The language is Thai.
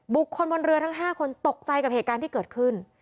คนบนเรือทั้ง๕คนตกใจกับเหตุการณ์ที่เกิดขึ้น